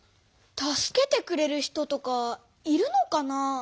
助けてくれる人とかいるのかなあ？